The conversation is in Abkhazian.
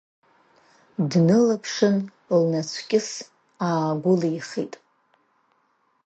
Дынылаԥшын лнацәкьыс аагәылихит.